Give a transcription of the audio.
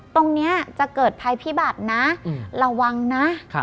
ตรงนี้จะเกิดภัยพิบัตินะระวังนะ